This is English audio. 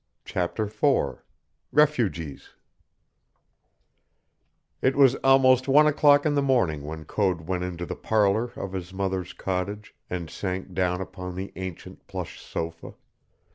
CHAPTER IV REFUGEES It was almost one o'clock in the morning when Code went into the parlor of his mother's cottage and sank down upon the ancient plush sofa.